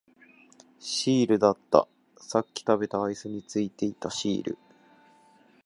シールだった、さっき食べたアイスについていたシール